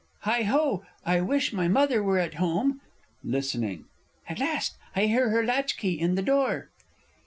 _ Heigho, I wish my Mother were at home! (Listening.) At last! I hear her latch key in the door!